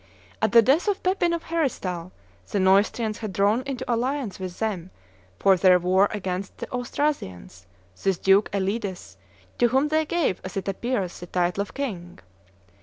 At the death of Pepin of Heristal, the Neustrians had drawn into alliance with them, for their war against the Austrasians, this Duke Elides, to whom they gave, as it appears, the title of king.